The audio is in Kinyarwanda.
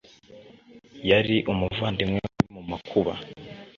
yari umuvandimwe wari mu makuba.